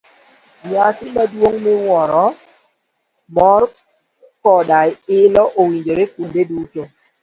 Nyasi maduong' miwuoro, mor koda ilo nowinjore kuonde duto.